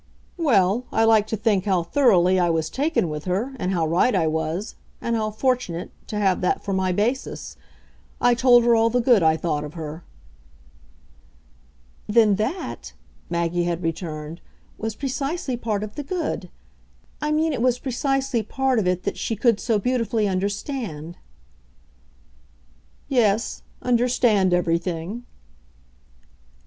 "Well, I like to think how thoroughly I was taken with her, and how right I was, and how fortunate, to have that for my basis. I told her all the good I thought of her." "Then that," Maggie had returned, "was precisely part of the good. I mean it was precisely part of it that she could so beautifully understand." "Yes understand everything."